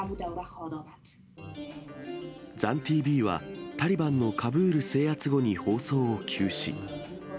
ザンＴＶは、タリバンのカブール制圧後に放送を休止。